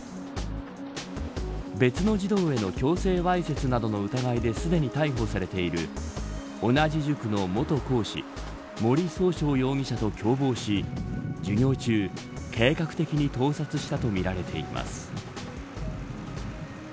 別の児童への強制わいせつなどの疑いですでに逮捕されている同じ塾の元講師森崇翔容疑者と共謀し授業中、計画的に盗撮したとみられています。